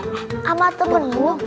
sama temen lo